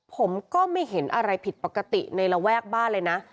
ผมก็ไม่เห็นอะไรผิดปกติในระแวกบ้านเลยนะ